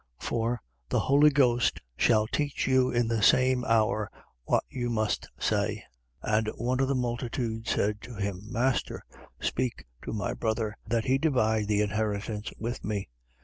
12:12. For the Holy Ghost shall teach you in the same hour what you must say. 12:13. And one of the multitude said to him: Master, speak to my brother that he divide the inheritance with me.